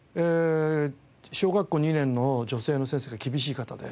小学校２年の女性の先生が厳しい方で。